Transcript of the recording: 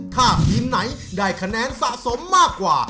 ถ้าทีมไหนได้คะแนนสะสมมากกว่า